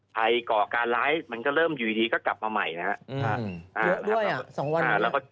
ก่อการไลฟ์มันก็เริ่มอยู่ดีก็กลับมาใหม่นะครับ